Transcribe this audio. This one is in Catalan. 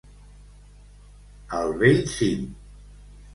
Al bell cim.